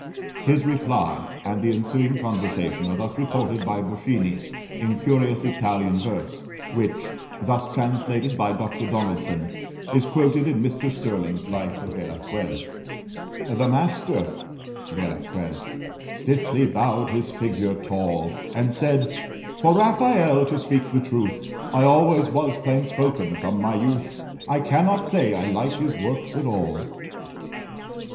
His reply, and the ensuing conversation, are thus reported by Boschini, in curious Italian verse, which, thus translated by Dr. Donaldson, is quoted in Mr. Stirling's Life of Velasquez: "The master" [Velasquez] "stiffly bowed his figure tall And said, 'For Rafael, to speak the truth I always was plain spoken from my youth I cannot say I like his works at all.'